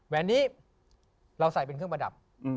แวนนี้เราใส่เป็นเครื่องประดับ